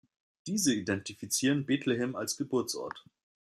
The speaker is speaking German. Diese identifizierten Betlehem als Geburtsort.